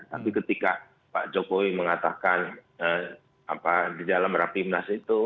tapi ketika pak jokowi mengatakan di dalam rapimnas itu